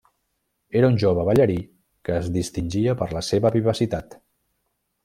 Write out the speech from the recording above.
Era un jove ballarí que es distingia per la seva vivacitat.